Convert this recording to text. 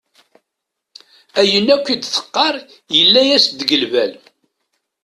Ayen akk i d-teqqar yella-as-d deg lbal.